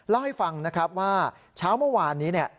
เล่าให้ฟังนะครับว่าเช้าเมื่อวานนี้เนี่ย